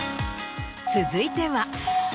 続いては。